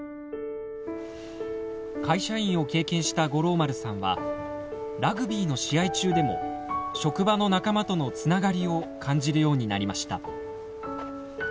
会社員を経験した五郎丸さんはラグビーの試合中でも職場の仲間とのつながりを感じるようになりました。